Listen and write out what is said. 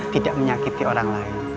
tidak menyakiti orang lain